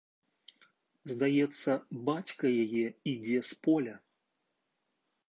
Здаецца, бацька яе ідзе з поля!